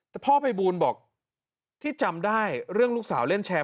แต่พ่อภัยบูลบอกที่จำได้เรื่องลูกสาวเล่นแชร์